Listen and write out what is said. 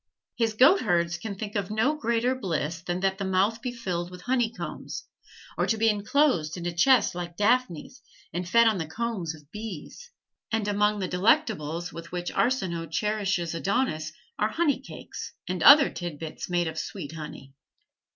His goatherds can think of no greater bliss than that the mouth be filled with honey combs, or to be inclosed in a chest like Daphnis and fed on the combs of bees; and among the delectables with which Arsinoe cherishes Adonis are "honey cakes," and other tid bits made of "sweet honey."